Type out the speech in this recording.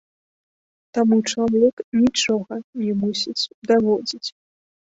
Таму чалавек нічога не мусіць даводзіць.